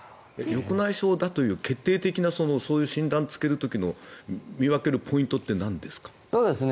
緑内障だという決定的なそういう診断をつける時の見分けるポイントってなんですか。